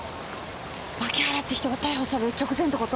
槇原って人が逮捕される直前って事？